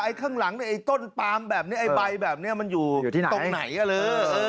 ไอ้ข้างหลังไอ้ต้นปลามแบบนี้ไอ้ใบแบบนี้มันอยู่ตรงไหนก็เลย